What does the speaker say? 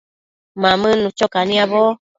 Mamënnu cho caniabo